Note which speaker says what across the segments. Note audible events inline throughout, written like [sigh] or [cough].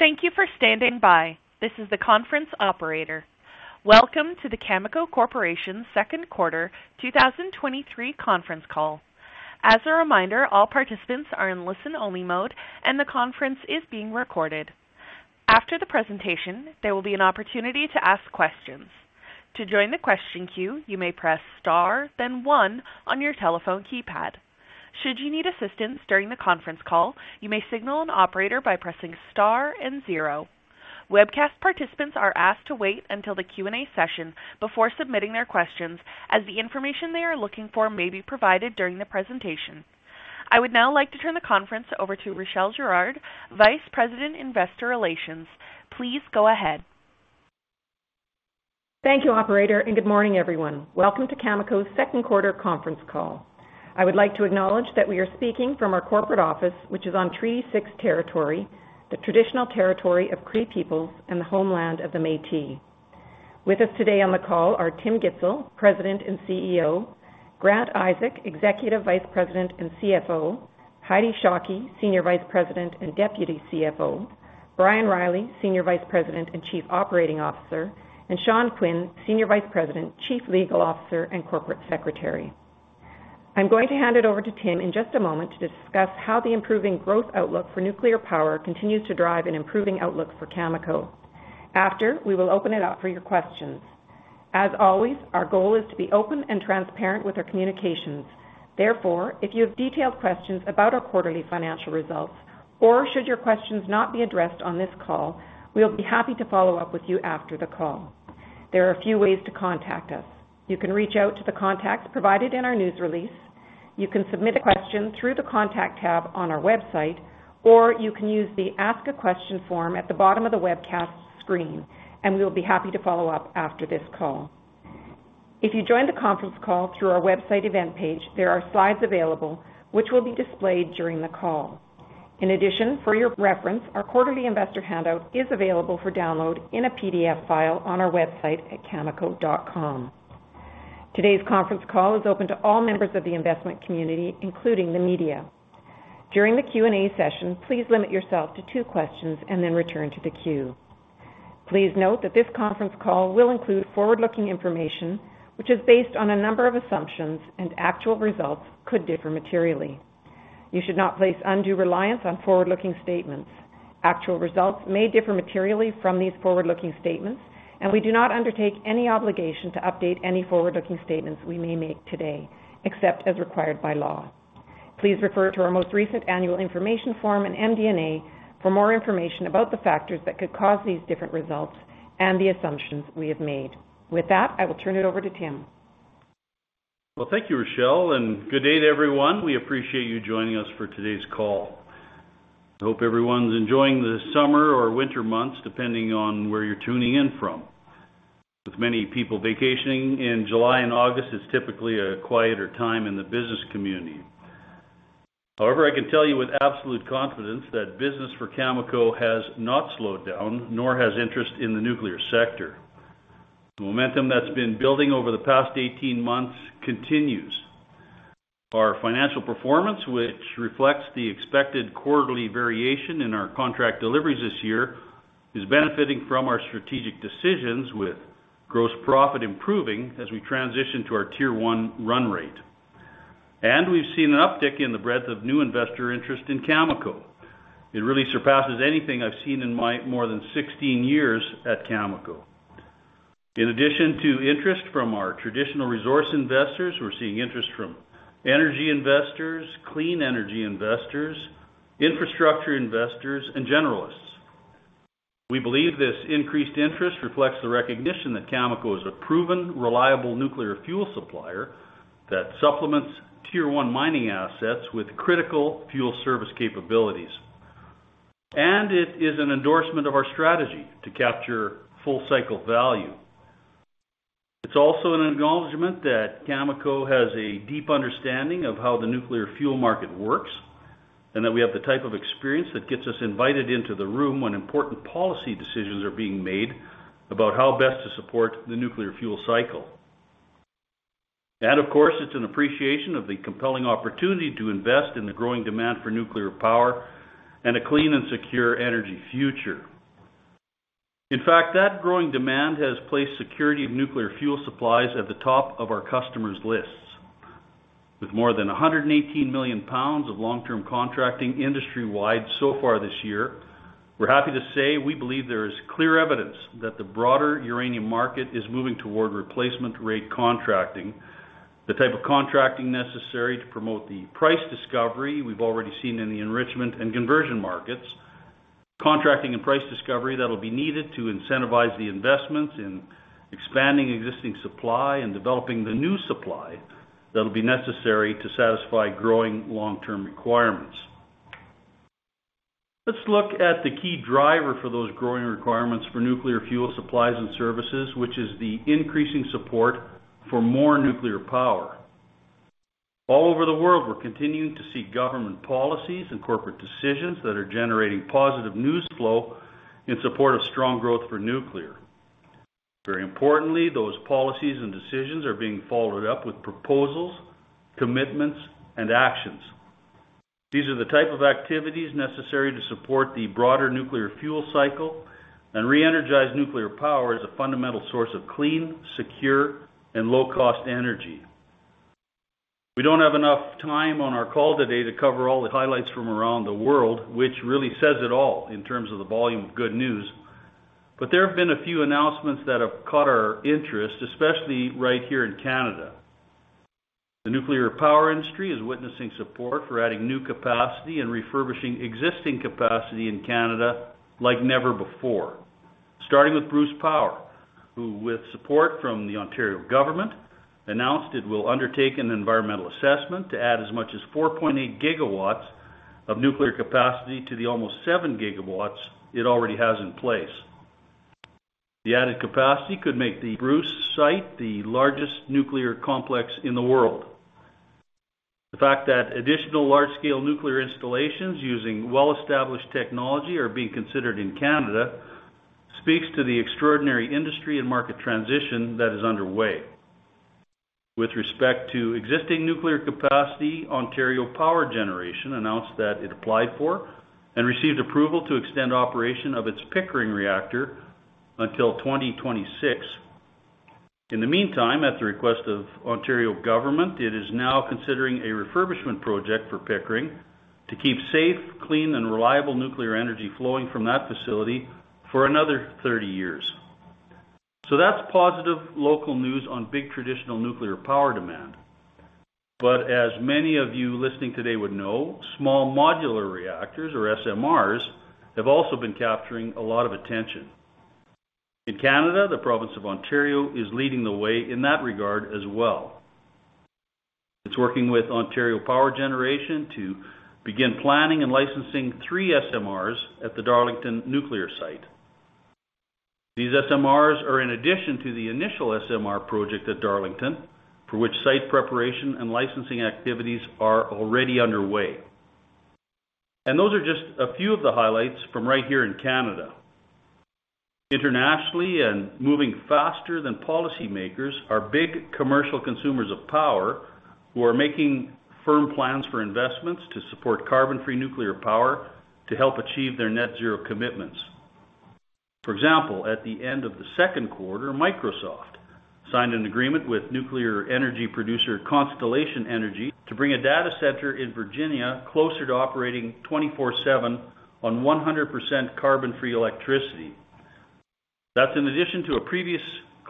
Speaker 1: Thank you for standing by. This is the conference operator. Welcome to the Cameco Corporation Second Quarter 2023 conference call. As a reminder, all participants are in listen-only mode, and the conference is being recorded. After the presentation, there will be an opportunity to ask questions. To join the question queue, you may press Star, then one on your telephone keypad. Should you need assistance during the conference call, you may signal an operator by pressing Star and Zero. Webcast participants are asked to wait until the Q&A session before submitting their questions, as the information they are looking for may be provided during the presentation. I would now like to turn the conference over to Rachelle Girard, Vice President, Investor Relations. Please go ahead.
Speaker 2: Thank you, operator, good morning, everyone. Welcome to Cameco's second quarter conference call. I would like to acknowledge that we are speaking from our corporate office, which is on Treaty 6 territory, the traditional territory of Cree peoples and the homeland of the Métis. With us today on the call are Tim Gitzel, President and CEO, Grant Isaac, Executive Vice President and CFO, Heidi Shockey, Senior Vice President and Deputy CFO, Brian Reilly, Senior Vice President and Chief Operating Officer, and Sean Quinn, Senior Vice President, Chief Legal Officer, and Corporate Secretary. I'm going to hand it over to Tim in just a moment to discuss how the improving growth outlook for nuclear power continues to drive an improving outlook for Cameco. We will open it up for your questions. As always, our goal is to be open and transparent with our communications. Therefore, if you have detailed questions about our quarterly financial results, or should your questions not be addressed on this call, we'll be happy to follow up with you after the call. There are a few ways to contact us. You can reach out to the contacts provided in our news release, you can submit a question through the Contact tab on our website, or you can use the Ask a Question form at the bottom of the webcast screen, and we will be happy to follow up after this call. If you joined the conference call through our website event page, there are slides available which will be displayed during the call. In addition, for your reference, our quarterly investor handout is available for download in a PDF file on our website at cameco.com. Today's conference call is open to all members of the investment community, including the media. During the Q&A session, please limit yourself to two questions and then return to the queue. Please note that this conference call will include forward-looking information, which is based on a number of assumptions, and actual results could differ materially. You should not place undue reliance on forward-looking statements. Actual results may differ materially from these forward-looking statements, and we do not undertake any obligation to update any forward-looking statements we may make today, except as required by law. Please refer to our most recent annual information form and MD&A for more information about the factors that could cause these different results and the assumptions we have made. With that, I will turn it over to Tim.
Speaker 3: Well, thank you, Rachelle. Good day to everyone. We appreciate you joining us for today's call. I hope everyone's enjoying the summer or winter months, depending on where you're tuning in from. With many people vacationing in July and August, it's typically a quieter time in the business community. However, I can tell you with absolute confidence that business for Cameco has not slowed down, nor has interest in the nuclear sector. The momentum that's been building over the past 18 months continues. Our financial performance, which reflects the expected quarterly variation in our contract deliveries this year, is benefiting from our strategic decisions, with gross profit improving as we transition to our tier-one run rate. We've seen an uptick in the breadth of new investor interest in Cameco. It really surpasses anything I've seen in my more than 16 years at Cameco. In addition to interest from our traditional resource investors, we're seeing interest from energy investors, clean energy investors, infrastructure investors, and generalists. We believe this increased interest reflects the recognition that Cameco is a proven, reliable nuclear fuel supplier that supplements tier-one mining assets with critical fuel service capabilities. It is an endorsement of our strategy to capture full cycle value. It's also an acknowledgment that Cameco has a deep understanding of how the nuclear fuel market works, and that we have the type of experience that gets us invited into the room when important policy decisions are being made about how best to support the nuclear fuel cycle. Of course, it's an appreciation of the compelling opportunity to invest in the growing demand for nuclear power and a clean and secure energy future. In fact, that growing demand has placed security of nuclear fuel supplies at the top of our customers' lists. With more than 118 million pounds of long-term contracting industry-wide so far this year, we're happy to say we believe there is clear evidence that the broader uranium market is moving toward replacement rate contracting, the type of contracting necessary to promote the price discovery we've already seen in the enrichment and conversion markets, contracting and price discovery that will be needed to incentivize the investments in expanding existing supply and developing the new supply that will be necessary to satisfy growing long-term requirements. Let's look at the key driver for those growing requirements for nuclear fuel supplies and services, which is the increasing support for more nuclear power. All over the world, we're continuing to see government policies and corporate decisions that are generating positive news flow in support of strong growth for nuclear. Very importantly, those policies and decisions are being followed up with proposals, commitments, and actions. These are the type of activities necessary to support the broader nuclear fuel cycle and re-energize nuclear power as a fundamental source of clean, secure, and low-cost energy. We don't have enough time on our call today to cover all the highlights from around the world, which really says it all in terms of the volume of good news. But there have been a few announcements that have caught our interest, especially right here in Canada. The nuclear power industry is witnessing support for adding new capacity and refurbishing existing capacity in Canada like never before. Starting with Bruce Power, who, with support from the Ontario government, announced it will undertake an environmental assessment to add as much as 4.8 GW of nuclear capacity to the almost 7 GW it already has in place. The added capacity could make the Bruce site the largest nuclear complex in the world. The fact that additional large-scale nuclear installations using well-established technology are being considered in Canada, speaks to the extraordinary industry and market transition that is underway. With respect to existing nuclear capacity, Ontario Power Generation announced that it applied for and received approval to extend operation of its Pickering Reactor until 2026. In the meantime, at the request of Ontario government, it is now considering a refurbishment project for Pickering to keep safe, clean, and reliable nuclear energy flowing from that facility for another 30 years. That's positive local news on big traditional nuclear power demand. As many of you listening today would know, small modular reactors, or SMRs, have also been capturing a lot of attention. In Canada, the province of Ontario is leading the way in that regard as well. It's working with Ontario Power Generation to begin planning and licensing 3 SMRs at the Darlington nuclear site. These SMRs are in addition to the initial SMR project at Darlington, for which site preparation and licensing activities are already underway. Those are just a few of the highlights from right here in Canada. Internationally, and moving faster than policymakers, are big commercial consumers of power, who are making firm plans for investments to support carbon-free nuclear power to help achieve their net zero commitments. For example, at the end of the second quarter, Microsoft signed an agreement with nuclear energy producer, Constellation Energy, to bring a data center in Virginia closer to operating 24/7 on 100% carbon-free electricity. That's in addition to a previous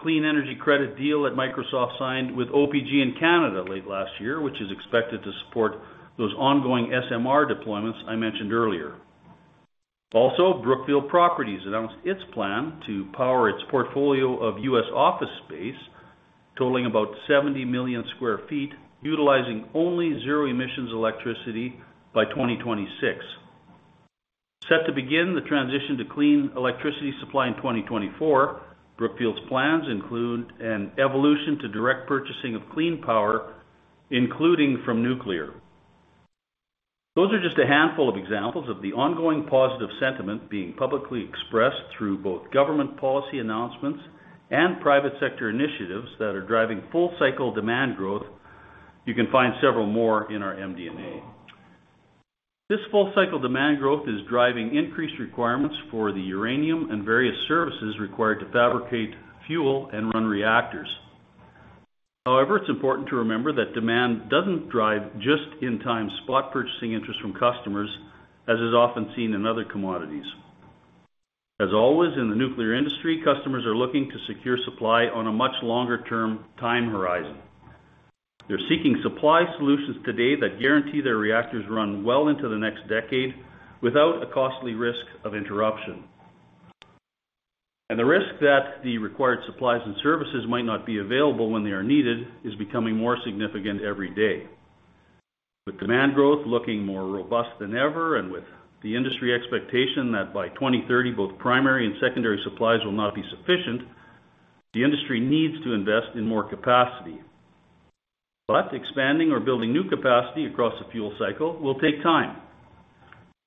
Speaker 3: clean energy credit deal that Microsoft signed with OPG in Canada late last year, which is expected to support those ongoing SMR deployments I mentioned earlier. Brookfield Properties announced its plan to power its portfolio of U.S. office space, totaling about 70 million sq ft, utilizing only zero emissions electricity by 2026. Set to begin the transition to clean electricity supply in 2024, Brookfield's plans include an evolution to direct purchasing of clean power, including from nuclear. Those are just a handful of examples of the ongoing positive sentiment being publicly expressed through both government policy announcements and private sector initiatives that are driving full cycle demand growth. You can find several more in our MD&A. This full cycle demand growth is driving increased requirements for the uranium and various services required to fabricate fuel and run reactors. However, it's important to remember that demand doesn't drive just-in-time spot purchasing interest from customers, as is often seen in other commodities. As always, in the nuclear industry, customers are looking to secure supply on a much longer-term time horizon. They're seeking supply solutions today that guarantee their reactors run well into the next decade without a costly risk of interruption. The risk that the required supplies and services might not be available when they are needed is becoming more significant every day. With demand growth looking more robust than ever, and with the industry expectation that by 2030, both primary and secondary supplies will not be sufficient, the industry needs to invest in more capacity. Expanding or building new capacity across the fuel cycle will take time.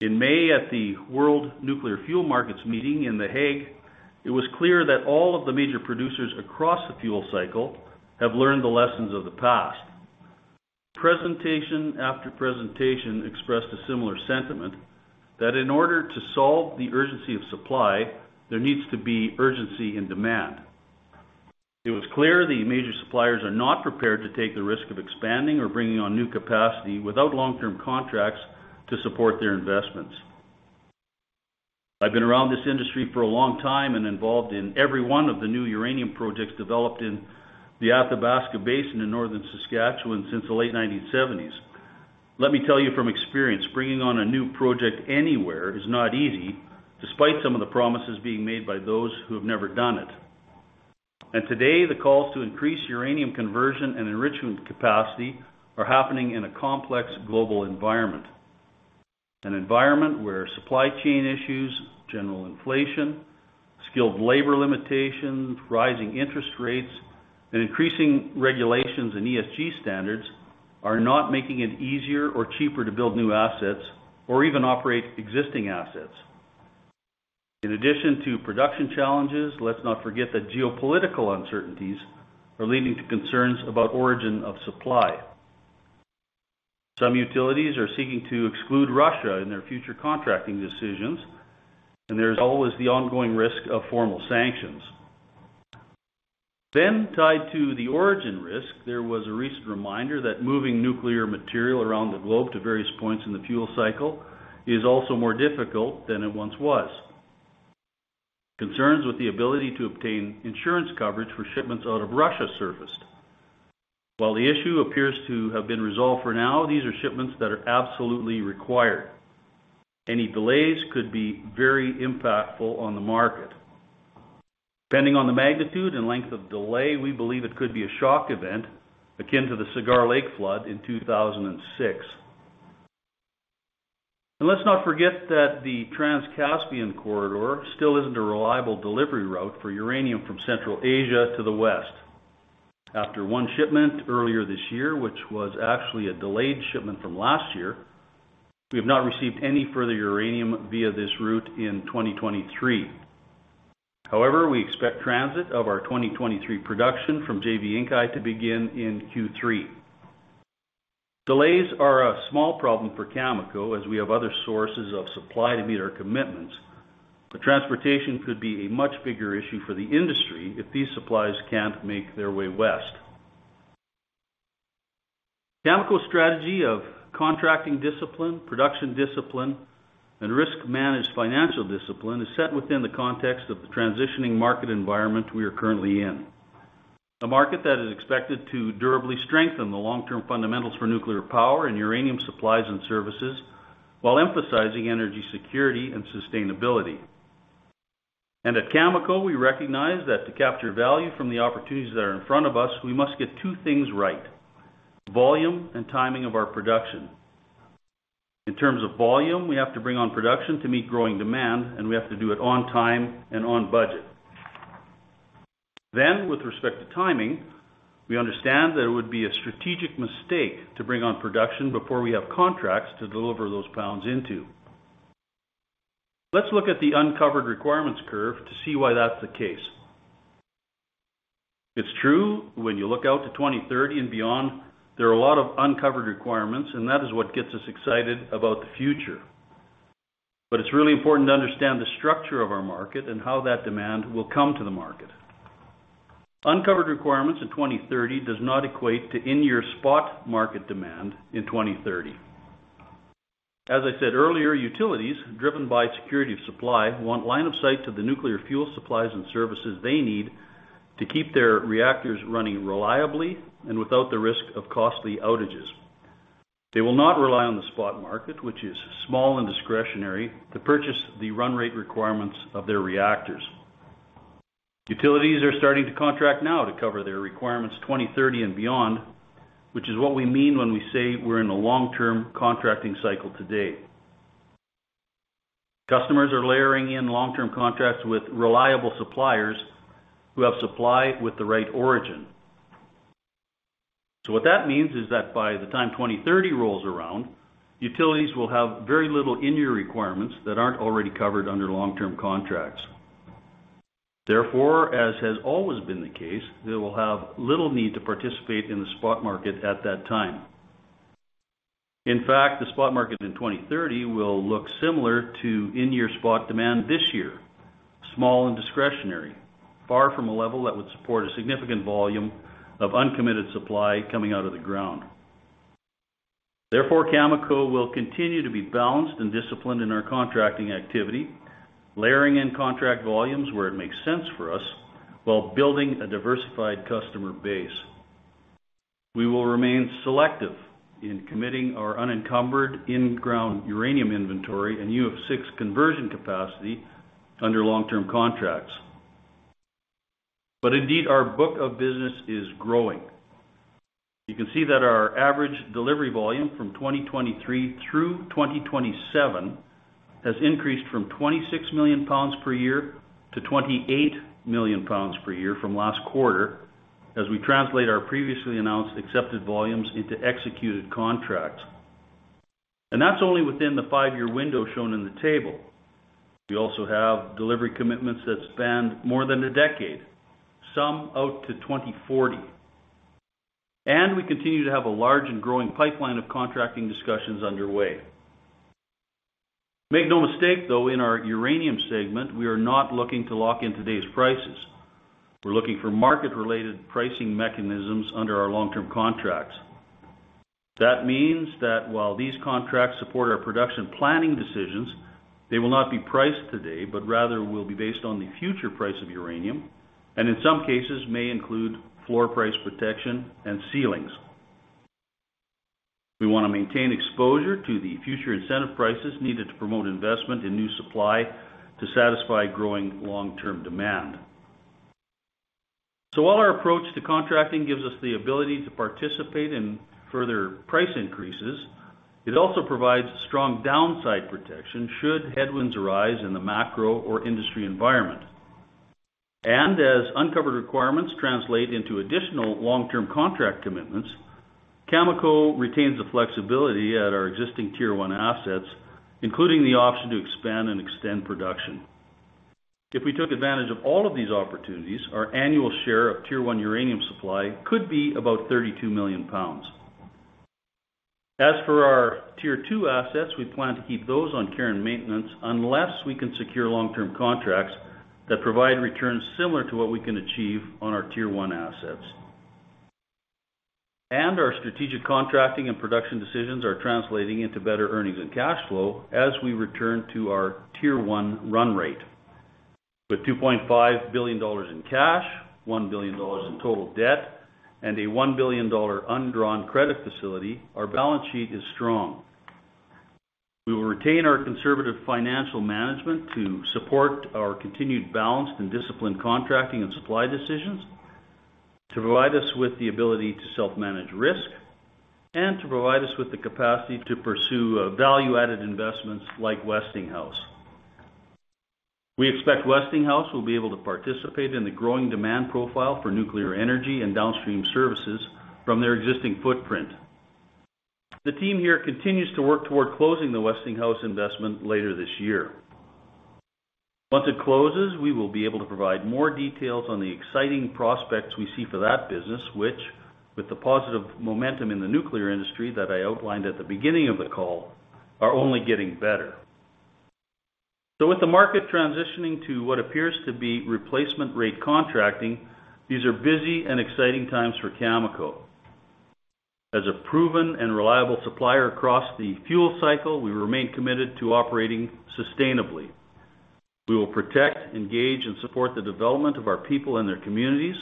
Speaker 3: In May, at the World Nuclear Fuel Markets meeting in The Hague, it was clear that all of the major producers across the fuel cycle have learned the lessons of the past. Presentation after presentation expressed a similar sentiment: that in order to solve the urgency of supply, there needs to be urgency in demand. It was clear the major suppliers are not prepared to take the risk of expanding or bringing on new capacity without long-term contracts to support their investments. I've been around this industry for a long time and involved in every one of the new uranium projects developed in the Athabasca Basin in Northern Saskatchewan since the late 1970s. Let me tell you from experience, bringing on a new project anywhere is not easy, despite some of the promises being made by those who have never done it. Today, the calls to increase uranium conversion and enrichment capacity are happening in a complex global environment. An environment where supply chain issues, general inflation, skilled labor limitations, rising interest rates, and increasing regulations and ESG standards, are not making it easier or cheaper to build new assets or even operate existing assets. In addition to production challenges, let's not forget that geopolitical uncertainties are leading to concerns about origin of supply. Some utilities are seeking to exclude Russia in their future contracting decisions, and there's always the ongoing risk of formal sanctions. Then, tied to the origin risk, there was a recent reminder that moving nuclear material around the globe to various points in the fuel cycle is also more difficult than it once was. Concerns with the ability to obtain insurance coverage for shipments out of Russia surfaced. While the issue appears to have been resolved for now, these are shipments that are absolutely required. Any delays could be very impactful on the market. Depending on the magnitude and length of delay, we believe it could be a shock event akin to the Cigar Lake flood in 2006. Let's not forget that the Trans-Caspian corridor still isn't a reliable delivery route for uranium from Central Asia to the West. After one shipment earlier this year, which was actually a delayed shipment from last year, we have not received any further uranium via this route in 2023. We expect transit of our 2023 production from JV Inkai to begin in Q3. Delays are a small problem for Cameco, as we have other sources of supply to meet our commitments, transportation could be a much bigger issue for the industry if these supplies can't make their way west. Cameco's strategy of contracting discipline, production discipline, and risk-managed financial discipline is set within the context of the transitioning market environment we are currently in. A market that is expected to durably strengthen the long-term fundamentals for nuclear power and uranium supplies and services, while emphasizing energy security and sustainability. At Cameco, we recognize that to capture value from the opportunities that are in front of us, we must get two things right: volume and timing of our production. In terms of volume, we have to bring on production to meet growing demand, and we have to do it on time and on budget. With respect to timing, we understand that it would be a strategic mistake to bring on production before we have contracts to deliver those pounds into. Let's look at the uncovered requirements curve to see why that's the case. It's true, when you look out to 2030 and beyond, there are a lot of uncovered requirements, and that is what gets us excited about the future. It's really important to understand the structure of our market and how that demand will come to the market. Uncovered requirements in 2030 does not equate to in-year spot market demand in 2030. As I said earlier, utilities, driven by security of supply, want line of sight to the nuclear fuel supplies and services they need to keep their reactors running reliably and without the risk of costly outages. They will not rely on the spot market, which is small and discretionary, to purchase the run rate requirements of their reactors. Utilities are starting to contract now to cover their requirements 2030 and beyond, which is what we mean when we say we're in a long-term contracting cycle today. Customers are layering in long-term contracts with reliable suppliers who have supply with the right origin. What that means is that by the time 2030 rolls around, utilities will have very little in-year requirements that aren't already covered under long-term contracts. Therefore, as has always been the case, they will have little need to participate in the spot market at that time. In fact, the spot market in 2030 will look similar to in-year spot demand this year, small and discretionary, far from a level that would support a significant volume of uncommitted supply coming out of the ground. Therefore, Cameco will continue to be balanced and disciplined in our contracting activity, layering in contract volumes where it makes sense for us, while building a diversified customer base. We will remain selective in committing our unencumbered in-ground uranium inventory and UF6 conversion capacity under long-term contracts. Indeed, our book of business is growing. You can see that our average delivery volume from 2023 through 2027 has increased from 26 million pounds per year to 28 million pounds per year from last quarter, as we translate our previously announced accepted volumes into executed contracts. That's only within the five-year window shown in the table. We also have delivery commitments that span more than a decade, some out to 2040. We continue to have a large and growing pipeline of contracting discussions underway. Make no mistake, though, in our uranium segment, we are not looking to lock in today's prices. We're looking for market-related pricing mechanisms under our long-term contracts. That means that while these contracts support our production planning decisions, they will not be priced today, but rather will be based on the future price of uranium, and in some cases, may include floor price protection and ceilings. We want to maintain exposure to the future incentive prices needed to promote investment in new supply to satisfy growing long-term demand. While our approach to contracting gives us the ability to participate in further price increases, it also provides strong downside protection, should headwinds arise in the macro or industry environment. As uncovered requirements translate into additional long-term contract commitments, Cameco retains the flexibility at our existing tier-one assets, including the option to expand and extend production. If we took advantage of all of these opportunities, our annual share of tier-one uranium supply could be about 32 million pounds. As for our tier-two assets, we plan to keep those on care and maintenance unless we can secure long-term contracts that provide returns similar to what we can achieve on our tier-one assets. Our strategic contracting and production decisions are translating into better earnings and cash flow as we return to our tier-one run rate. With $2.5 billion in cash, $1 billion in total debt, and a $1 billion undrawn credit facility, our balance sheet is strong. We will retain our conservative financial management to support our continued balanced and disciplined contracting and supply decisions, to provide us with the ability to self-manage risk, and to provide us with the capacity to pursue value-added investments like Westinghouse. We expect Westinghouse will be able to participate in the growing demand profile for nuclear energy and downstream services from their existing footprint. The team here continues to work toward closing the Westinghouse investment later this year. Once it closes, we will be able to provide more details on the exciting prospects we see for that business, which, with the positive momentum in the nuclear industry that I outlined at the beginning of the call, are only getting better. With the market transitioning to what appears to be replacement rate contracting, these are busy and exciting times for Cameco. As a proven and reliable supplier across the fuel cycle, we remain committed to operating sustainably. We will protect, engage, and support the development of our people and their communities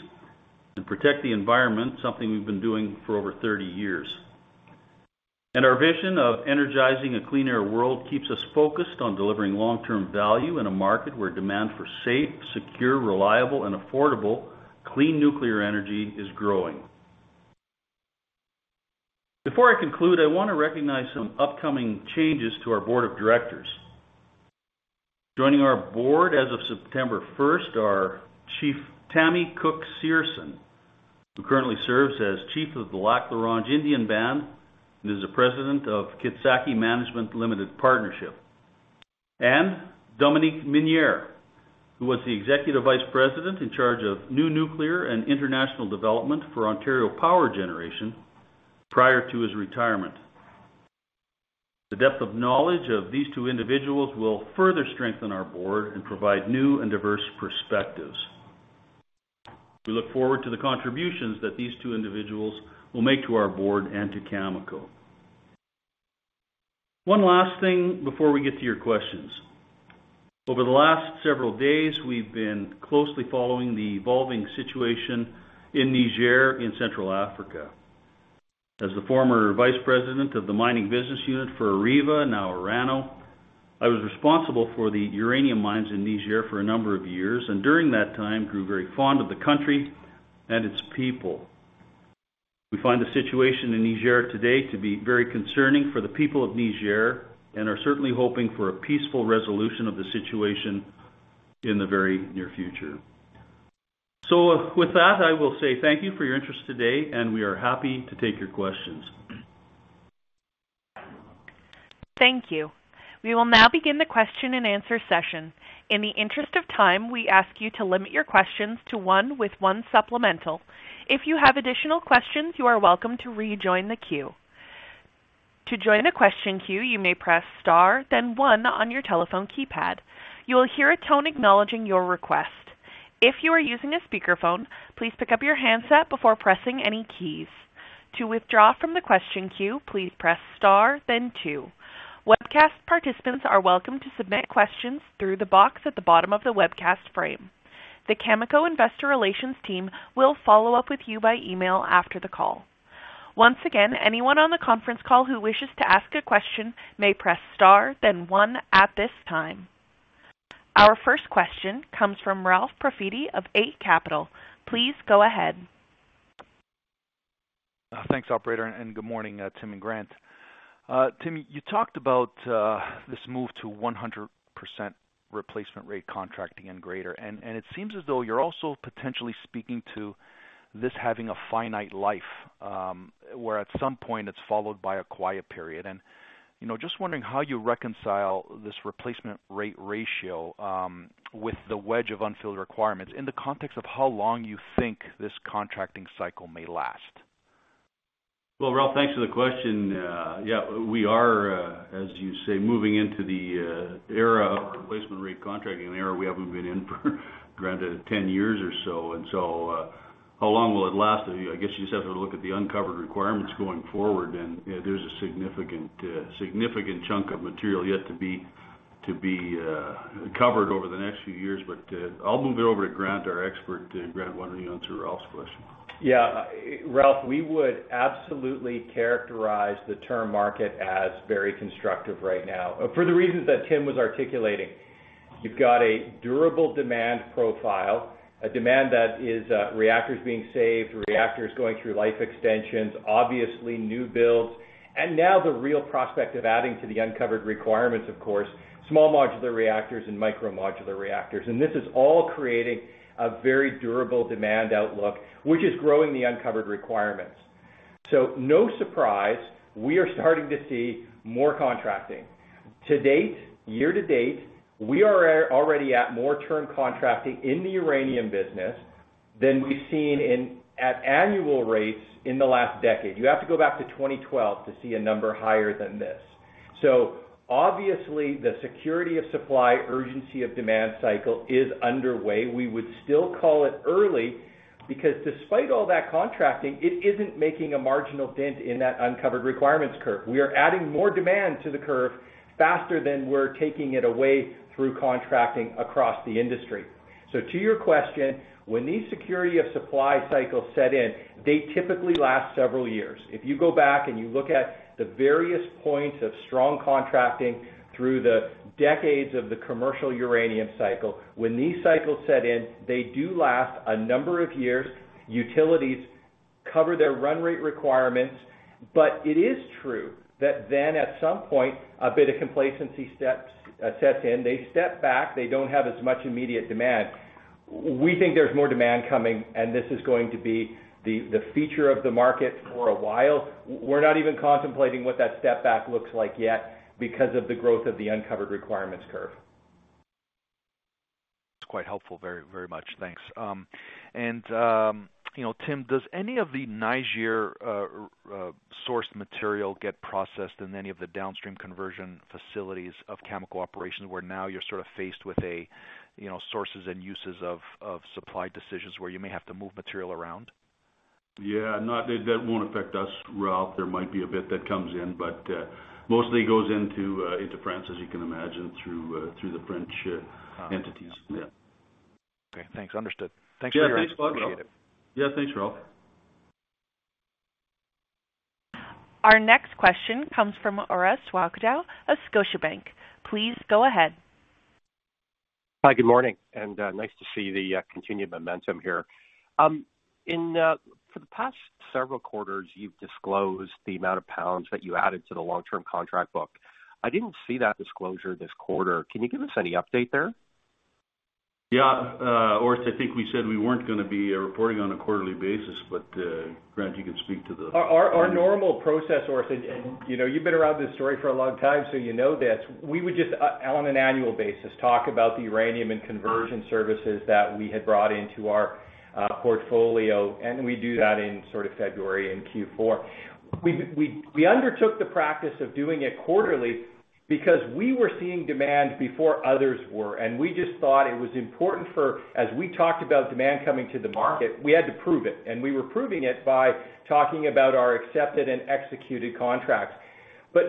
Speaker 3: and protect the environment, something we've been doing for over 30 years. Our vision of energizing a clean air world keeps us focused on delivering long-term value in a market where demand for safe, secure, reliable, and affordable, clean nuclear energy is growing. Before I conclude, I want to recognize some upcoming changes to our Board of Directors. Joining our Board as of September 1st are Chief Tammy Cook-Searson, who currently serves as Chief of the Lac La Ronge Indian Band and is the President of Kitsaki Management Limited Partnership, and Dominique Minière, who was the Executive Vice President in charge of new nuclear and international development for Ontario Power Generation prior to his retirement. The depth of knowledge of these two individuals will further strengthen our Board and provide new and diverse perspectives. We look forward to the contributions that these two individuals will make to our board and to Cameco. One last thing before we get to your questions. Over the last several days, we've been closely following the evolving situation in Niger, in Central Africa. As the former Vice President of the mining business unit for Areva, now Orano, I was responsible for the uranium mines in Niger for a number of years, and during that time, grew very fond of the country and its people. We find the situation in Niger today to be very concerning for the people of Niger and are certainly hoping for a peaceful resolution of the situation in the very near future. With that, I will say thank you for your interest today, and we are happy to take your questions.
Speaker 1: Thank you. We will now begin the question-and-answer session. In the interest of time, we ask you to limit your questions to one with one supplemental. If you have additional questions, you are welcome to rejoin the queue. To join a question queue, you may press star, then one on your telephone keypad. You will hear a tone acknowledging your request. If you are using a speakerphone, please pick up your handset before pressing any keys. To withdraw from the question queue, please press star then two. Webcast participants are welcome to submit questions through the box at the bottom of the webcast frame. The Cameco investor relations team will follow up with you by email after the call. Once again, anyone on the conference call who wishes to ask a question may press star then one at this time. Our first question comes from Ralph Profiti of Eight Capital. Please go ahead.
Speaker 4: Thanks, operator, and good morning, Tim and Grant. Tim, you talked about this move to 100% replacement rate contracting and greater, and, and it seems as though you're also potentially speaking to this having a finite life, where at some point it's followed by a quiet period. You know, just wondering how you reconcile this replacement rate ratio with the wedge of unfilled requirements in the context of how long you think this contracting cycle may last.
Speaker 3: Well, Ralph, thanks for the question. Yeah, we are, as you say, moving into the era of replacement rate contracting, an era we haven't been in for granted, 10 years or so. How long will it last? I guess you just have to look at the uncovered requirements going forward, and there's a significant, significant chunk of material yet to be, to be, covered over the next few years. I'll move it over to Grant, our expert. Grant, why don't you answer Ralph's question?
Speaker 5: Yeah, Ralph, we would absolutely characterize the term market as very constructive right now, for the reasons that Tim was articulating. You've got a durable demand profile, a demand that is, reactors being saved, reactors going through life extensions, obviously new builds, and now the real prospect of adding to the uncovered requirements, of course, small modular reactors and micro modular reactors. This is all creating a very durable demand outlook, which is growing the uncovered requirements.... No surprise, we are starting to see more contracting. To date, year-to-date, we are at, already at more term contracting in the uranium business than we've seen in, at annual rates in the last decade. You have to go back to 2012 to see a number higher than this. Obviously, the security of supply, urgency of demand cycle is underway. We would still call it early because despite all that contracting, it isn't making a marginal dent in that uncovered requirements curve. We are adding more demand to the curve faster than we're taking it away through contracting across the industry. To your question, when these security of supply cycles set in, they typically last several years. If you go back and you look at the various points of strong contracting through the decades of the commercial uranium cycle, when these cycles set in, they do last a number of years. Utilities cover their run rate requirements, it is true that then, at some point, a bit of complacency steps sets in. They step back, they don't have as much immediate demand. We think there's more demand coming, and this is going to be the, the feature of the market for a while. We're not even contemplating what that step back looks like yet because of the growth of the uncovered requirements curve.
Speaker 4: That's quite helpful. Very, very much. Thanks. You know, Tim, does any of the Niger source material get processed in any of the downstream conversion facilities of Cameco operations, where now you're sort of faced with a, you know, sources and uses of, of supply decisions where you may have to move material around?
Speaker 3: Yeah, that won't affect us, Ralph. There might be a bit that comes in, but, mostly goes into, into France, as you can imagine, through, through the French, entities. Yeah.
Speaker 4: Okay, thanks. Understood. Thanks very much.
Speaker 3: Yeah, thanks, Ralph.
Speaker 4: Appreciate it.
Speaker 3: Yeah, thanks, Ralph.
Speaker 1: Our next question comes from Orest Wowkodaw of Scotiabank. Please go ahead.
Speaker 6: Hi, good morning, and nice to see the continued momentum here. For the past several quarters, you've disclosed the amount of pounds that you added to the long-term contract book. I didn't see that disclosure this quarter. Can you give us any update there?
Speaker 3: Yeah, Ores, I think we said we weren't gonna be, reporting on a quarterly basis, but, Grant, you can speak to.
Speaker 5: Our normal process, Ores, and, you know, you've been around this story for a long time, so you know this. We would just on an annual basis, talk about the uranium and conversion services that we had brought into our portfolio, and we do that in sort of February and Q4. We, we undertook the practice of doing it quarterly because we were seeing demand before others were, and we just thought it was important for, as we talked about demand coming to the market, we had to prove it, and we were proving it by talking about our accepted and executed contracts.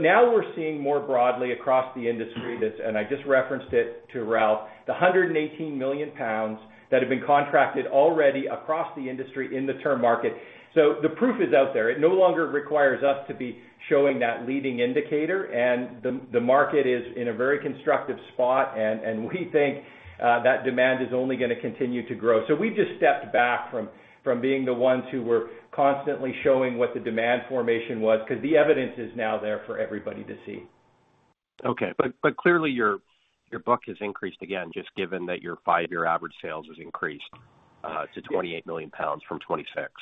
Speaker 5: Now we're seeing more broadly across the industry this, and I just referenced it to Ralph, the 118 million pounds that have been contracted already across the industry in the term market. The proof is out there. It no longer requires us to be showing that leading indicator, and the market is in a very constructive spot, and we think that demand is only gonna continue to grow. We've just stepped back from being the ones who were constantly showing what the demand formation was, 'cause the evidence is now there for everybody to see.
Speaker 6: Okay. Clearly your, your book has increased again, just given that your five-year average sales has increased to 28 million pounds from 26 million pounds.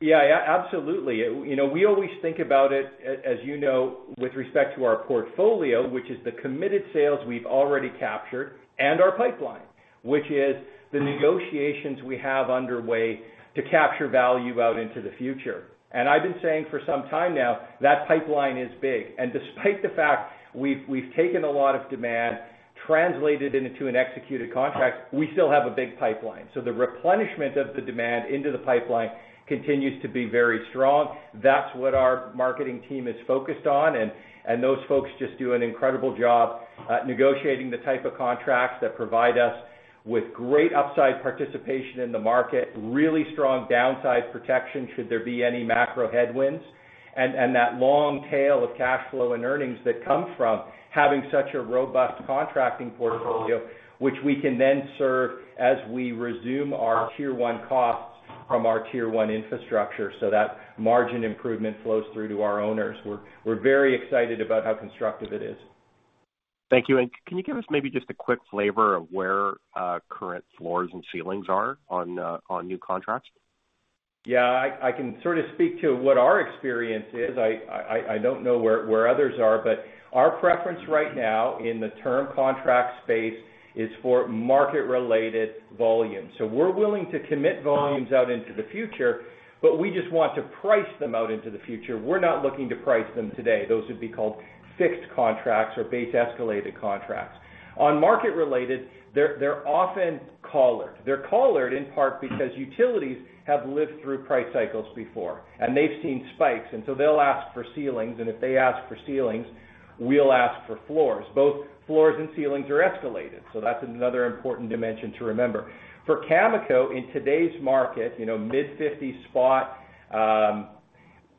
Speaker 5: Yeah, yeah, absolutely. You know, we always think about it, as, as you know, with respect to our portfolio, which is the committed sales we've already captured, and our pipeline, which is the negotiations we have underway to capture value out into the future. I've been saying for some time now, that pipeline is big. Despite the fact we've, we've taken a lot of demand, translated it into an executed contract, we still have a big pipeline. The replenishment of the demand into the pipeline continues to be very strong. That's what our marketing team is focused on, and, and those folks just do an incredible job at negotiating the type of contracts that provide us with great upside participation in the market, really strong downside protection, should there be any macro headwinds, and, and that long tail of cash flow and earnings that come from having such a robust contracting portfolio, which we can then serve as we resume our tier-one costs from our tier-one infrastructure, so that margin improvement flows through to our owners. We're, we're very excited about how constructive it is.
Speaker 6: Thank you. Can you give us maybe just a quick flavor of where current floors and ceilings are on new contracts?
Speaker 5: Yeah, I can sort of speak to what our experience is. I don't know where, where others are, but our preference right now in the term contract space is for market-related volume. We're willing to commit volumes out into the future, but we just want to price them out into the future. We're not looking to price them today. Those would be called fixed contracts or base escalated contracts. On market-related, they're, they're often collared. They're collared in part because utilities have lived through price cycles before, and they've seen spikes, and so they'll ask for ceilings, and if they ask for ceilings, we'll ask for floors. Both floors and ceilings are escalated, so that's another important dimension to remember. For Cameco, in today's market, you know, mid-$50s spot,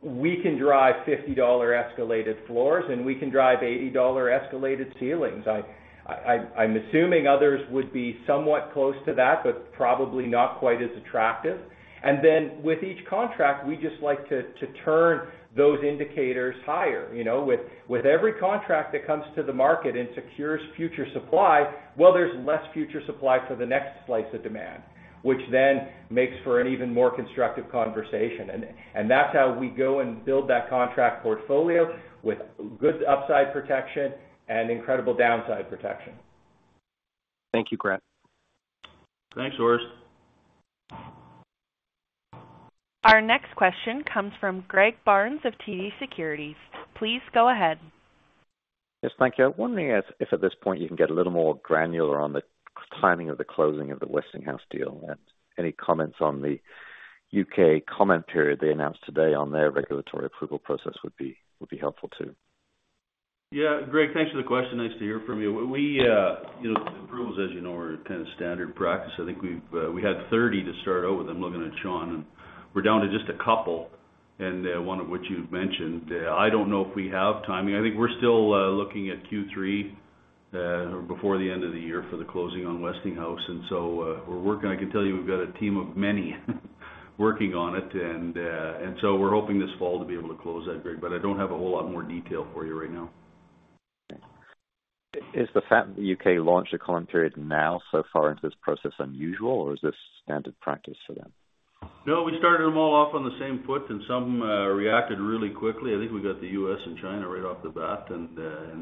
Speaker 5: we can drive $50 escalated floors, and we can drive $80 escalated ceilings. I'm assuming others would be somewhat close to that, but probably not quite as attractive. Then, with each contract, we just like to turn those indicators higher. You know, with every contract that comes to the market and secures future supply, well, there's less future supply for the next slice of demand, which then makes for an even more constructive conversation. That's how we go and build that contract portfolio with good upside protection and incredible downside protection.
Speaker 6: Thank you, Grant.
Speaker 3: Thanks, Ores.
Speaker 1: Our next question comes from Greg Barnes of TD Securities. Please go ahead.
Speaker 7: Yes, thank you. I'm wondering if, if at this point, you can get a little more granular on the timing of the closing of the Westinghouse deal? Any comments on the U.K. comment period they announced today on their regulatory approval process would be, would be helpful, too.
Speaker 3: Yeah, Greg, thanks for the question. Nice to hear from you. We, you know, approvals, as you know, are kind of standard practice. I think we've, we had 30 to start out with, I'm looking at Sean, and we're down to just a couple. One of which you've mentioned. I don't know if we have timing. I think we're still looking at Q3 or before the end of the year for the closing on Westinghouse, and so we're working. I can tell you we've got a team of many working on it, and and so we're hoping this fall to be able to close that, Greg, but I don't have a whole lot more detail for you right now.
Speaker 7: Is the fact that the U.K. launched a comment period now so far into this process unusual, or is this standard practice for them?
Speaker 3: No, we started them all off on the same foot, and some reacted really quickly. I think we got the U.S. and China right off the bat, and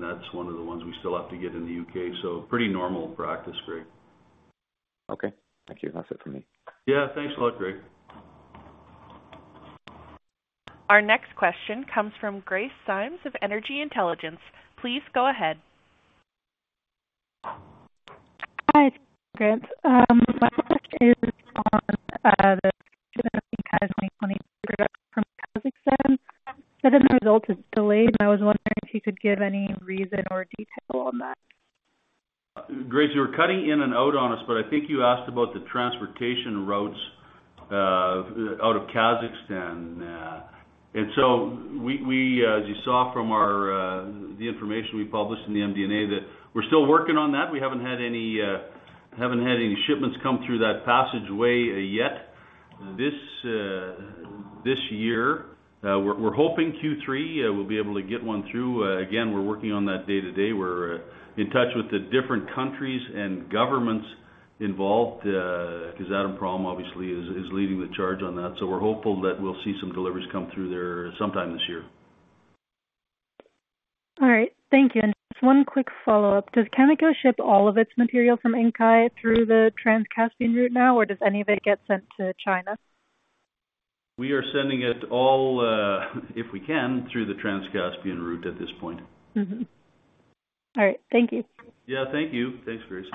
Speaker 3: that's one of the ones we still have to get in the U.K. Pretty normal practice, Greg.
Speaker 7: Okay. Thank you. That's it for me.
Speaker 3: Yeah, thanks a lot, Greg.
Speaker 1: Our next question comes from Grace Symes of Energy Intelligence. Please go ahead.
Speaker 8: Hi, Grant. My question is [audio distortion] delayed, and I was wondering if you could give any reason or detail on that?
Speaker 3: Grace, you were cutting in and out on us, I think you asked about the transportation routes out of Kazakhstan. We, we, as you saw from our the information we published in the MD&A, that we're still working on that. We haven't had any haven't had any shipments come through that passageway yet. This this year, we're, we're hoping Q3 we'll be able to get one through. Again, we're working on that day-to-day. We're in touch with the different countries and governments involved, because Kazatomprom, obviously, is, is leading the charge on that. We're hopeful that we'll see some deliveries come through there sometime this year.
Speaker 8: All right. Thank you. Just one quick follow-up. Does Cameco ship all of its material from Inkai through the Trans-Caspian route now, or does any of it get sent to China?
Speaker 3: We are sending it all, if we can, through the Trans-Caspian route at this point.
Speaker 8: Mm-hmm. All right. Thank you.
Speaker 3: Yeah, thank you. Thanks, Grace.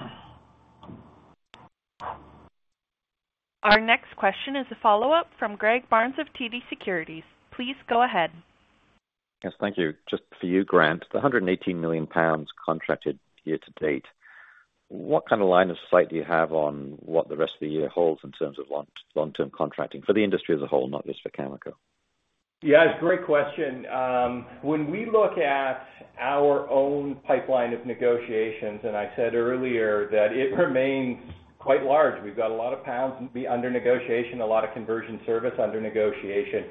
Speaker 1: Our next question is a follow-up from Greg Barnes of TD Securities. Please go ahead.
Speaker 7: Yes, thank you. Just for you, Grant, the 118 million pounds contracted year to date, what kind of line of sight do you have on what the rest of the year holds in terms of long, long-term contracting for the industry as a whole, not just for Cameco?
Speaker 5: Yeah, it's a great question. When we look at our own pipeline of negotiations, and I said earlier that it remains quite large. We've got a lot of pounds under negotiation, a lot of conversion service under negotiation.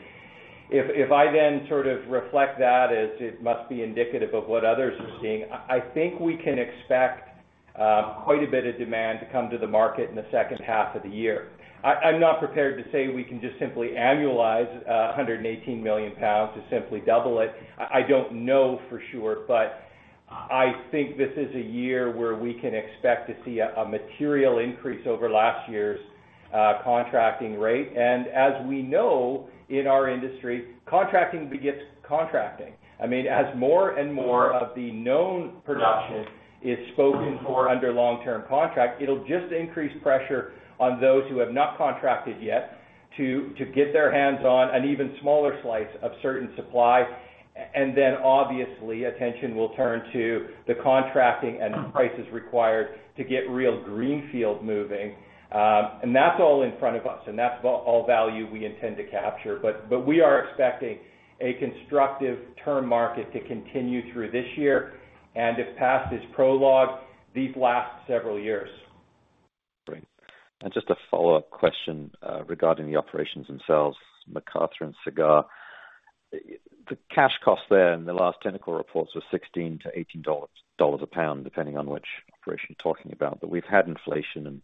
Speaker 5: If I then sort of reflect that, as it must be indicative of what others are seeing, I think we can expect quite a bit of demand to come to the market in the second half of the year. I'm not prepared to say we can just simply annualize 118 million pounds to simply double it. I don't know for sure, but I think this is a year where we can expect to see a, a material increase over last year's contracting rate. As we know, in our industry, contracting begets contracting. I mean, as more and more of the known production is spoken for under long-term contract, it'll just increase pressure on those who have not contracted yet to, to get their hands on an even smaller slice of certain supply. Then, obviously, attention will turn to the contracting and prices required to get real greenfield moving. That's all in front of us, and that's all value we intend to capture. But we are expecting a constructive term market to continue through this year, and if past is prologue, these last several years.
Speaker 7: Great. Just a follow-up question regarding the operations themselves, McArthur and Cigar. The cash costs there in the last technical reports were $16-$18 a pound, depending on which operation we're talking about. We've had inflation and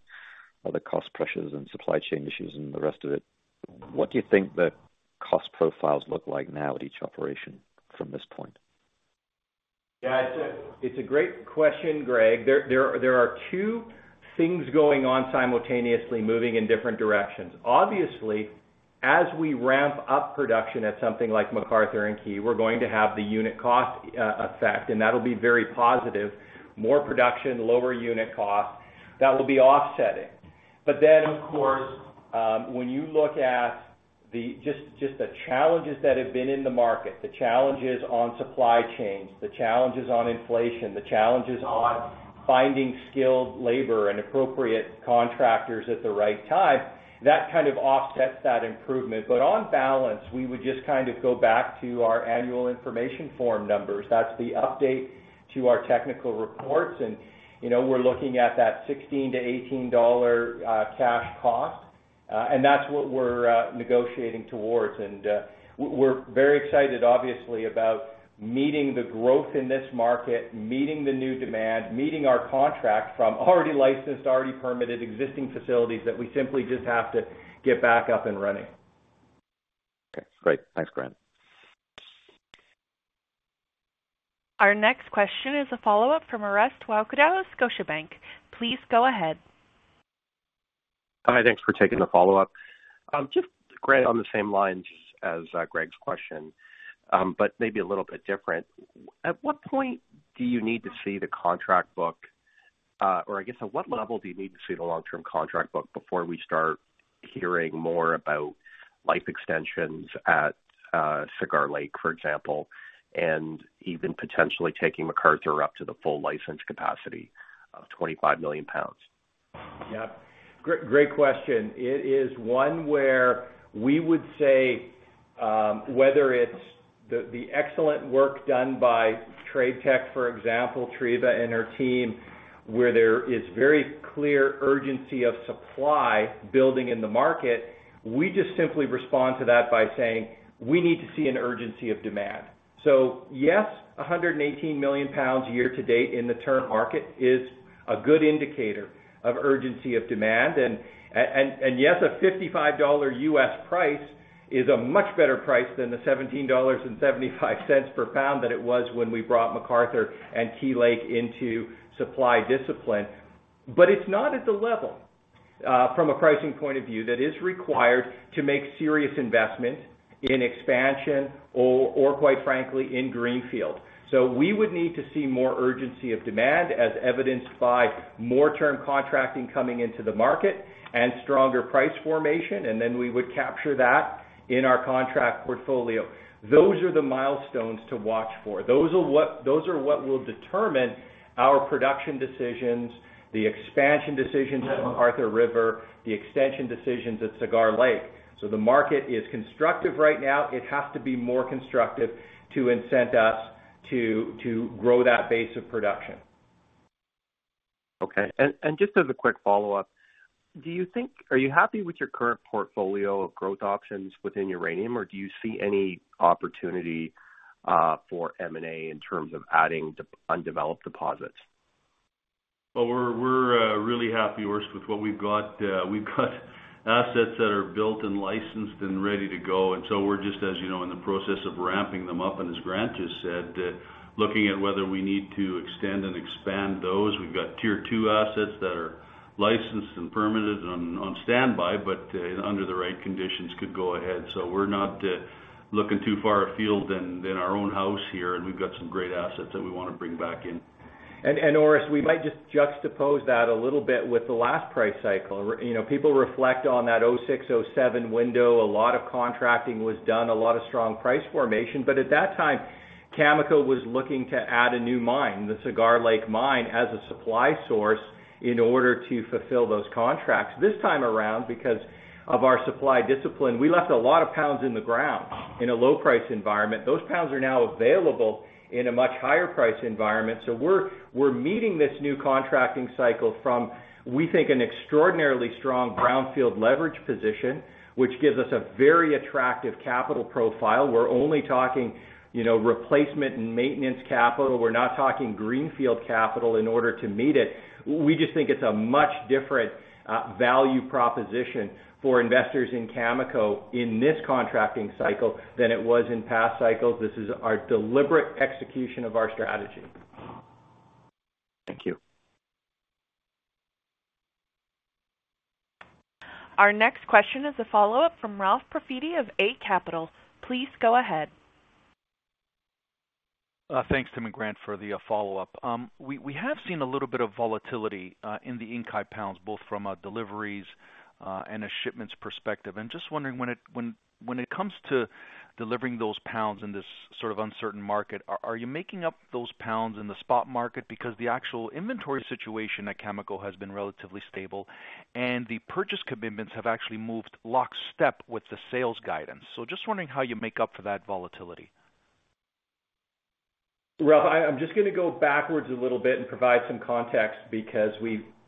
Speaker 7: other cost pressures and supply chain issues and the rest of it. What do you think the cost profiles look like now at each operation from this point?
Speaker 5: Yeah, it's a, it's a great question, Greg. There, there, there are two things going on simultaneously, moving in different directions. Obviously, as we ramp up production at something like McArthur and Key Lake, we're going to have the unit cost, effect, and that'll be very positive. More production, lower unit cost, that will be offsetting. Then, of course, when you look at the just, just the challenges that have been in the market, the challenges on supply chains, the challenges on inflation, the challenges on finding skilled labor and appropriate contractors at the right time, that kind of offsets that improvement. On balance, we would just kind of go back to our annual information form numbers. That's the update to our technical reports, and, you know, we're looking at that $16-$18 cash cost, and that's what we're, negotiating towards. We're very excited, obviously, about meeting the growth in this market, meeting the new demand, meeting our contract from already licensed, already permitted existing facilities that we simply just have to get back up and running.
Speaker 7: Okay, great. Thanks, Grant.
Speaker 1: Our next question is a follow-up from Orest Wowkodaw of Scotiabank. Please go ahead.
Speaker 6: Hi, thanks for taking the follow-up. Just Grant, on the same lines as Greg's question, but maybe a little bit different. At what point do you need to see the contract book? Or I guess, at what level do you need to see the long-term contract book before we start hearing more about life extensions at Cigar Lake, for example, and even potentially taking McArthur up to the full license capacity of 25 million pounds?
Speaker 5: Yep. Great, great question. It is one where we would say, whether it's the, the excellent work done by TradeTech, for example, Treva and her team, where there is very clear urgency of supply building in the market, we just simply respond to that by saying, "We need to see an urgency of demand." Yes, 118 million pounds a year to date in the term market is a good indicator of urgency of demand. Yes, a $55 US price is a much better price than the $17.75 per pound that it was when we brought McArthur and Key Lake into supply discipline. It's not at the level, from a pricing point of view, that is required to make serious investment in expansion or quite frankly, in greenfield. We would need to see more urgency of demand, as evidenced by more term contracting coming into the market and stronger price formation, and then we would capture that in our contract portfolio. Those are the milestones to watch for. Those are what, those are what will determine our production decisions, the expansion decisions at McArthur River, the extension decisions at Cigar Lake. The market is constructive right now. It has to be more constructive to incent us to, to grow that base of production.
Speaker 6: Okay. Just as a quick follow-up, are you happy with your current portfolio of growth options within uranium, or do you see any opportunity for M&A in terms of adding undeveloped deposits?
Speaker 3: We're, we're really happy, Orest, with what we've got. We've got assets that are built and licensed and ready to go, and so we're just, as you know, in the process of ramping them up, and as Grant just said, looking at whether we need to extend and expand those. We've got tier-two assets that are licensed and permitted and on standby, but, under the right conditions, could go ahead. We're not looking too far afield than, than our own house here, and we've got some great assets that we wanna bring back in.
Speaker 5: Orest, we might just juxtapose that a little bit with the last price cycle. you know, people reflect on that 2006, 2007 window. A lot of contracting was done, a lot of strong price formation. At that time, Cameco was looking to add a new mine, the Cigar Lake mine, as a supply source in order to fulfill those contracts. This time around, because of our supply discipline, we left a lot of pounds in the ground in a low-price environment. Those pounds are now available in a much higher price environment. We're, we're meeting this new contracting cycle from, we think, an extraordinarily strong brownfield leverage position, which gives us a very attractive capital profile. We're only talking, you know, replacement and maintenance capital. We're not talking greenfield capital in order to meet it. We just think it's a much different value proposition for investors in Cameco in this contracting cycle than it was in past cycles. This is our deliberate execution of our strategy.
Speaker 6: Thank you.
Speaker 1: Our next question is a follow-up from Ralph Profiti of Eight Capital. Please go ahead.
Speaker 4: Thanks, Tim and Grant, for the follow-up. We, we have seen a little bit of volatility in the Inkai pounds, both from a deliveries and a shipments perspective. Just wondering when it, when, when it comes to delivering those pounds in this sort of uncertain market, are, are you making up those pounds in the spot market? Because the actual inventory situation at Cameco has been relatively stable, and the purchase commitments have actually moved lockstep with the sales guidance. Just wondering how you make up for that volatility.
Speaker 5: Ralph, I'm just going to go backwards a little bit and provide some context because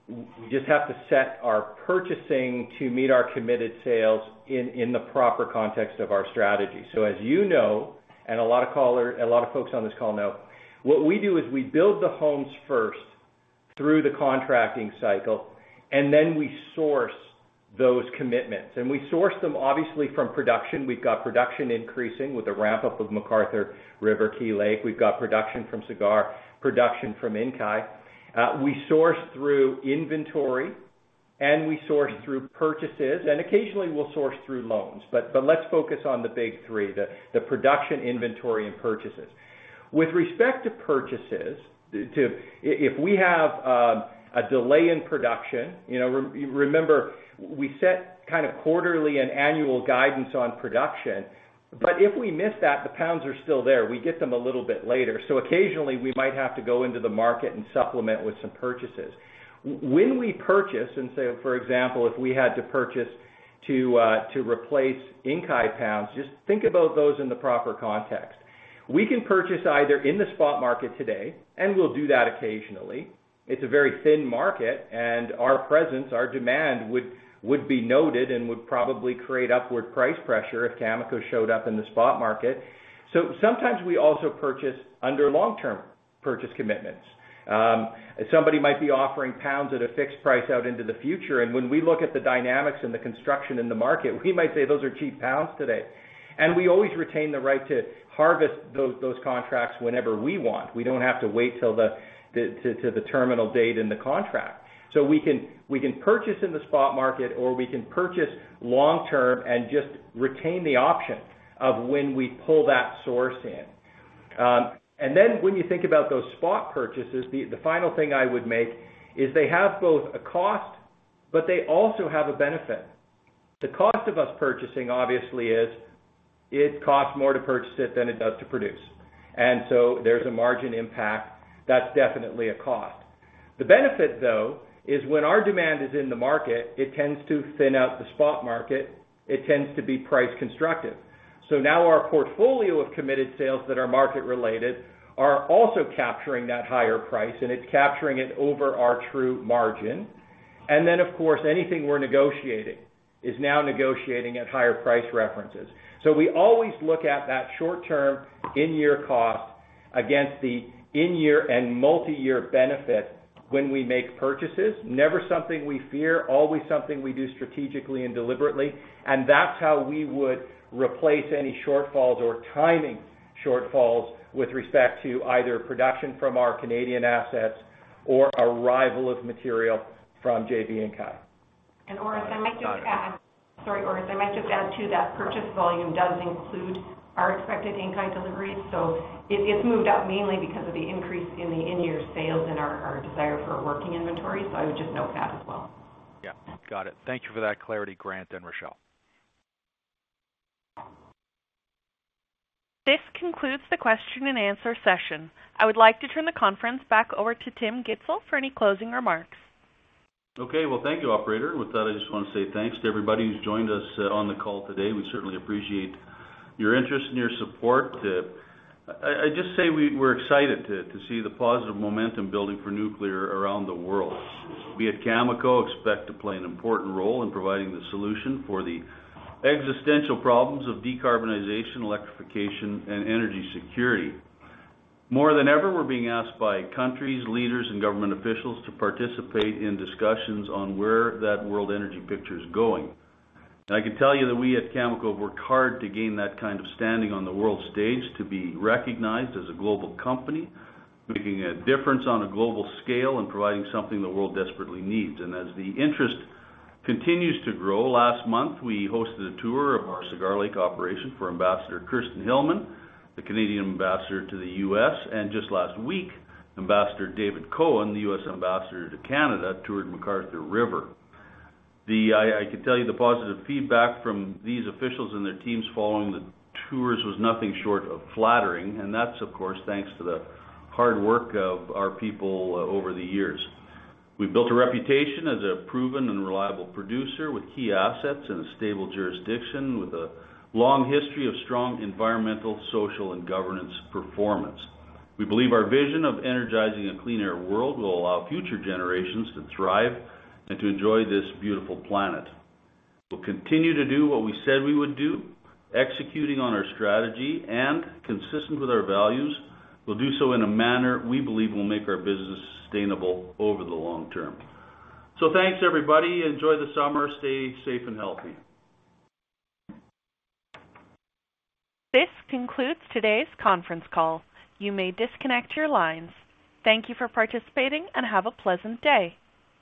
Speaker 5: we just have to set our purchasing to meet our committed sales in, in the proper context of our strategy. As you know, and a lot of folks on this call know, what we do is we build the homes first through the contracting cycle, and then we source those commitments. We source them, obviously, from production. We've got production increasing with the ramp-up of McArthur River, Key Lake. We've got production from Cigar, production from Inkai. We source through inventory, and we source through purchases, and occasionally, we'll source through loans. Let's focus on the big three, the production, inventory, and purchases. With respect to purchases, if we have a delay in production, you know, remember, we set kind of quarterly and annual guidance on production, but if we miss that, the pounds are still there. We get them a little bit later. Occasionally, we might have to go into the market and supplement with some purchases. When we purchase, and say, for example, if we had to purchase to replace Inkai pounds, just think about those in the proper context. We can purchase either in the spot market today, and we'll do that occasionally. It's a very thin market, and our presence, our demand would, would be noted and would probably create upward price pressure if Cameco showed up in the spot market. Sometimes we also purchase under long-term purchase commitments. Somebody might be offering pounds at a fixed price out into the future, and when we look at the dynamics and the construction in the market, we might say, those are cheap pounds today. We always retain the right to harvest those, those contracts whenever we want. We don't have to wait till the terminal date in the contract. We can, we can purchase in the spot market, or we can purchase long term and just retain the option of when we pull that source in. Then when you think about those spot purchases, the final thing I would make is they have both a cost, but they also have a benefit. The cost of us purchasing, obviously, is it costs more to purchase it than it does to produce. So there's a margin impact. That's definitely a cost. The benefit, though, is when our demand is in the market, it tends to thin out the spot market. It tends to be price constructive. Now our portfolio of committed sales that are market related are also capturing that higher price, and it's capturing it over our true margin. Then, of course, anything we're negotiating is now negotiating at higher price references. We always look at that short term, in-year cost against the in-year and multiyear benefit when we make purchases. Never something we fear, always something we do strategically and deliberately, and that's how we would replace any shortfalls or timing shortfalls with respect to either production from our Canadian assets or arrival of material from JV Inkai.
Speaker 2: Orest, I might just add. Sorry, Orest, I might just add, too, that purchase volume does include our expected Inkai deliveries, so it, it's moved up mainly because of the increase in the in-year sales and our, our desire for a working inventory. I would just note that as well.
Speaker 4: Yeah, got it. Thank you for that clarity, Grant and Rachelle.
Speaker 1: This concludes the question and answer session. I would like to turn the conference back over to Tim Gitzel for any closing remarks.
Speaker 3: Okay. Well, thank you, operator. With that, I just want to say thanks to everybody who's joined us on the call today. We certainly appreciate your interest and your support. I just say we're excited to see the positive momentum building for nuclear around the world. We at Cameco expect to play an important role in providing the solution for the existential problems of decarbonization, electrification, and energy security. More than ever, we're being asked by countries, leaders, and government officials to participate in discussions on where that world energy picture is going. I can tell you that we at Cameco work hard to gain that kind of standing on the world stage, to be recognized as a global company, making a difference on a global scale and providing something the world desperately needs. As the interest continues to grow, last month, we hosted a tour of our Cigar Lake operation for Ambassador Kirsten Hillman, the Canadian ambassador to the U.S., and just last week, Ambassador David Cohen, the U.S. ambassador to Canada, toured McArthur River. I, I can tell you the positive feedback from these officials and their teams following the tours was nothing short of flattering, and that's, of course, thanks to the hard work of our people over the years. We've built a reputation as a proven and reliable producer with key assets in a stable jurisdiction, with a long history of strong Environmental, Social, and Governance performance. We believe our vision of energizing a clean air world will allow future generations to thrive and to enjoy this beautiful planet. We'll continue to do what we said we would do, executing on our strategy, and consistent with our values, we'll do so in a manner we believe will make our business sustainable over the long term. Thanks, everybody. Enjoy the summer. Stay safe and healthy.
Speaker 1: This concludes today's conference call. You may disconnect your lines. Thank you for participating and have a pleasant day.